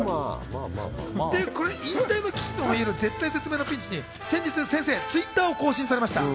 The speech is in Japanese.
引退の危機とも言える絶体絶命のピンチに先日、先生、Ｔｗｉｔｔｅｒを更新されました。